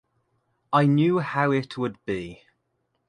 I knew how it would be.